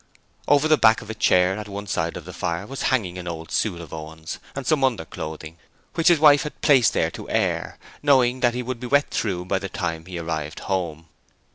Over the back of a chair at one side of the fire, was hanging an old suit of Owen's, and some underclothing, which his wife had placed there to air, knowing that he would be wet through by the time he arrived home...